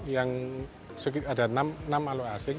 yang ada enam alo asing